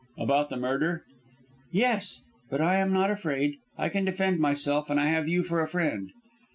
"About the murder?" "Yes, but I am not afraid. I can defend myself, and I have you for a friend."